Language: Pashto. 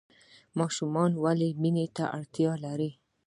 ماشوم ولې مینې ته اړتیا لري؟